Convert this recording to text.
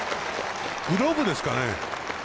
グローブですかね。